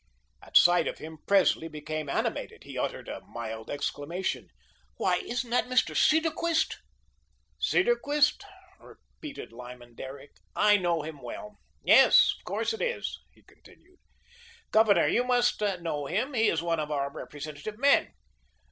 At sight of him, Presley became animated. He uttered a mild exclamation: "Why, isn't that Mr. Cedarquist?" "Cedarquist?" repeated Lyman Derrick. "I know him well. Yes, of course, it is," he continued. "Governor, you must know him. He is one of our representative men.